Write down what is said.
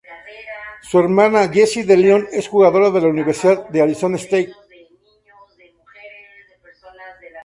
Su hermana Jessie DeLeon, es jugadora de la Universidad de Arizona State.